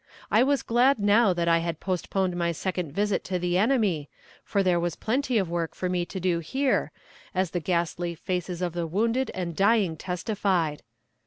I was glad now that I had postponed my second visit to the enemy, for there was plenty of work for me to do here, as the ghastly faces of the wounded and dying testified.